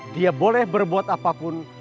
dia boleh berbuat apapun